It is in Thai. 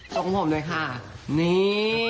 โชคผมด้วยค่ะนี่